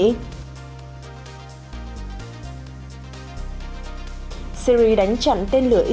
trong phần tin quốc tế triều tiên đề ngò cơ hội đối thoại lần thứ ba với mỹ